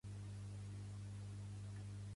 Pertany al moviment independentista el Nicolas?